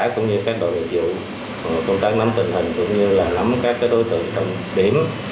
cũng như các đội việc vụ công tác nắm tình hình cũng như là nắm các đối tượng trong điểm